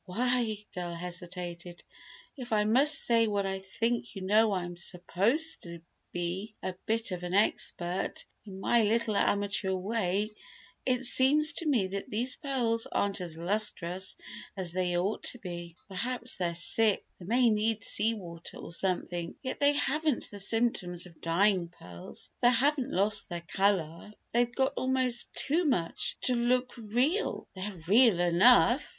"Why," the girl hesitated, "if I must say what I think you know I am supposed to be a bit of an expert, in my little amateur way, it seems to me these pearls aren't as lustrous as they ought to be. Perhaps they're 'sick'. They may need sea water, or something. Yet they haven't the symptoms of 'dying' pearls. They haven't lost their colour. They've got almost too much to look real." "They're real enough!"